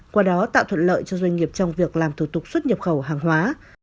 qua đó tạo thuận lợi cho doanh nghiệp trong việc làm thủ tục xuất nhập khẩu hàng hóa